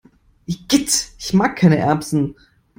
Igitt, ich mag keine Erbsen!